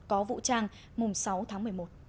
có vụ trang mùm sáu tháng một mươi một